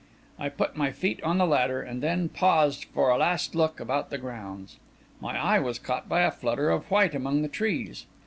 I put my feet on the ladder, and then paused for a last look about the grounds. My eye was caught by a flutter of white among the trees.